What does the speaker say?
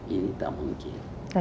ini tak mungkin